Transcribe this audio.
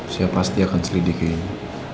saya pasti akan selidiki ini